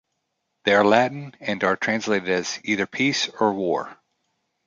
They are Latin and are translated as, "Either Peace or War".